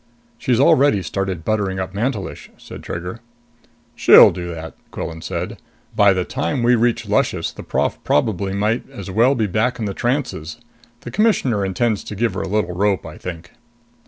"She's already started buttering up Mantelish," said Trigger. "She'll do that," Quillan said. "By the time we reach Luscious, the prof probably might as well be back in the trances. The Commissioner intends to give her a little rope, I think."